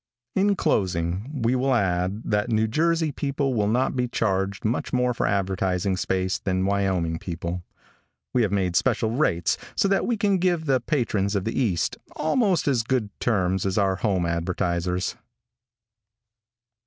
In closing, we will add, that New Jersey people will not be charged much more for advertising space than Wyoming people. We have made special rates so that we can give the patrons of the East almost as good terms as our home advertisers.